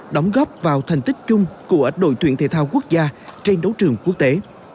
đóng góp vào thành tích chung của đội tuyển thể thao quốc gia trên đấu trường quốc tế